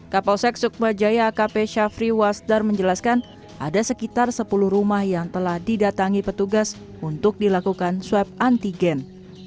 kapolsek sukmajaya akp syafri wasdar menjelaskan ada sekitar sepuluh rumah yang telah didatangi petugas untuk dilakukan swab antigen